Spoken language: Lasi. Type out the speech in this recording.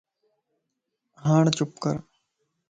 ھاڻ چپ ڪر